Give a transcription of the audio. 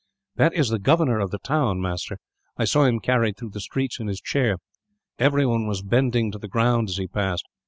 "That is the governor of the town, master. I saw him carried through the streets in his chair. Everyone was bending to the ground, as he passed.